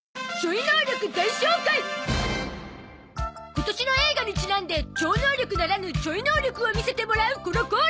今年の映画にちなんで超能力ならぬちょい能力を見せてもらうこのコーナー！